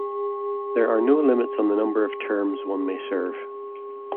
There are no limits on the number of terms one may serve.